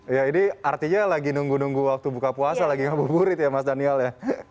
ya ini artinya lagi nunggu nunggu waktu buka puasa lagi ngabuburit ya mas daniel ya